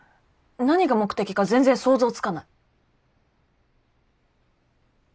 何が目的か全然想像つかない。